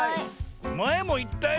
まえもいったよ。